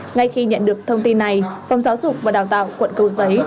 ngay khi nhận được thông tin này phòng giáo dục và đào tạo quận cầu giấy